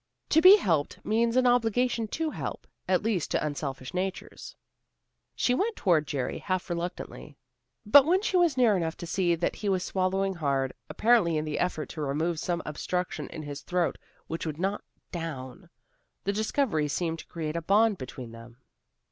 To be helped means an obligation to help, at least to unselfish natures. She went toward Jerry half reluctantly. But when she was near enough to see that he was swallowing hard, apparently in the effort to remove some obstruction in his throat which would not "down," the discovery seemed to create a bond between them.